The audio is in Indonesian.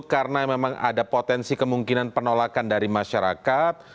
karena memang ada potensi kemungkinan penolakan dari masyarakat